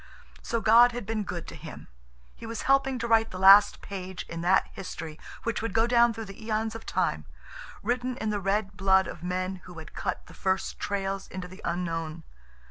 So God had been good to him. He was helping to write the last page in that history which would go down through the eons of time, written in the red blood of men who had cut the first trails into the unknown.